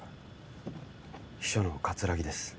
秘書の葛城です。